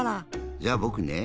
じゃあぼくね。